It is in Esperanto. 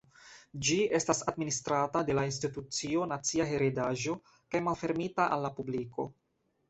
Ĝi estas administrata de la Institucio Nacia Heredaĵo kaj malfermita al la publiko.